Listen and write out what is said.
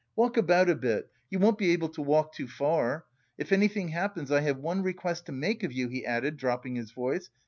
Walk about a bit, you won't be able to walk too far. If anything happens, I have one request to make of you," he added, dropping his voice.